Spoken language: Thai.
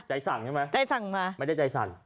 ใจสั่งใช่มั้ยไม่ได้ใจสั่น